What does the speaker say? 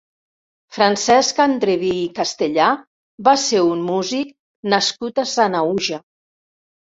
Francesc Andreví i Castellar va ser un músic nascut a Sanaüja.